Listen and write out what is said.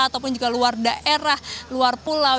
ataupun juga luar daerah luar pulau